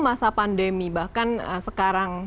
masa pandemi bahkan sekarang